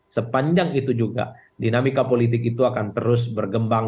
sepanjang itu juga dinamika politik itu akan terus berkembang